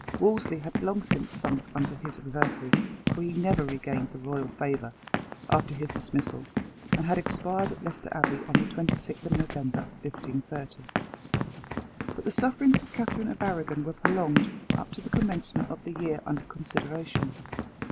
Wolsey had long since sunk under his reverses for he never regained the royal favour after his dismissal and had expired at Leicester Abbey, on the 26th November 1530. But the sufferings of Catherine of Arragon were prolonged up to the commencement of the year under consideration.